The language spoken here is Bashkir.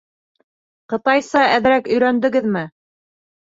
— Ҡытайса әҙерәк өйрәндегеҙме?